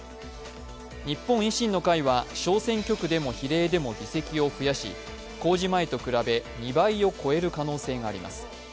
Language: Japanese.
日本維新の会は小選挙区でも比例ても議席を増やし公示前と比べ２倍を超える可能性があります。